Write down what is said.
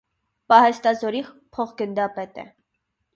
Պահեստազորի փոխգնդապետ է։